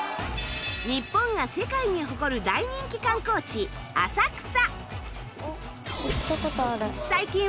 日本が世界に誇る大人気観光地浅草